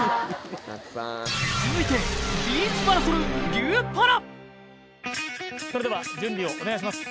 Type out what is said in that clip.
続いてそれでは準備をお願いします